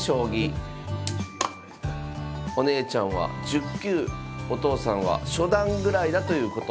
お姉ちゃんは１０級お父さんは初段ぐらいだということ。